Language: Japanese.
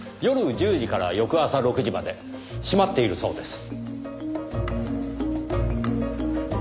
夜１０時から翌朝６時まで閉まっているそうです。